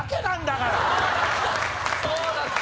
そうだった。